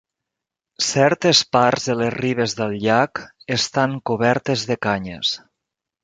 Certes parts de les ribes del llac estan cobertes de canyes.